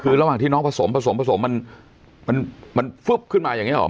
คือระหว่างที่น้องผสมผสมผสมมันฟึ๊บขึ้นมาอย่างนี้หรอ